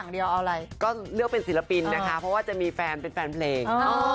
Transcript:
เพราะศิลปินก็เดินจะมีแฟนเป็นแฟนเพลง